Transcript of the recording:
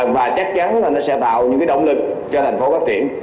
và chắc chắn là nó sẽ tạo những động lực cho thành phố phát triển